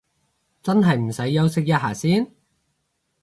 真係唔使休息一下先？